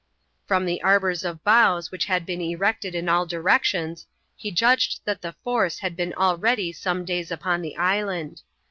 From the arbors of boughs which had been erected in all directions, he judged that the force had been already some days upon the island.